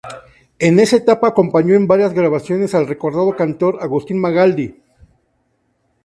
En esa etapa acompañó en varias grabaciones al recordado cantor Agustín Magaldi.